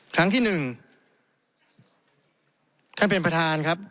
ครั้งที่หนึ่งท่านเป็นประธานครับ